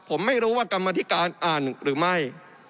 ผมไม่รู้ว่ากรรมธิการอ่านหรือไม่